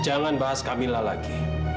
jangan bahas kamilah lagi